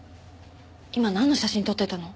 今なんの写真撮ってたの？